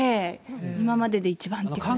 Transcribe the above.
今までで一番って。